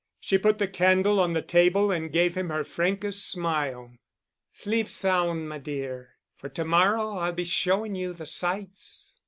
She put the candle on the table and gave him her frankest smile. "Sleep sound, my dear. For to morrow I'll be showing you the sights."